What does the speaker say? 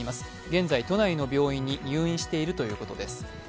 現在、都内の病院に入院しているということです。